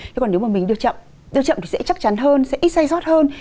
thế còn nếu mà mình đưa chậm đưa chậm thì sẽ chắc chắn hơn sẽ ít say sót hơn